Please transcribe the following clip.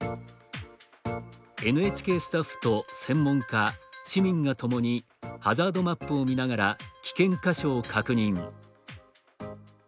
ＮＨＫスタッフと専門家市民がともにハザードマップを見ながら危険箇所を確認。